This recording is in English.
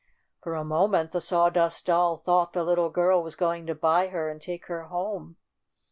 For a moment the Sawdust Doll thought the little girl was going to buy her and take her home.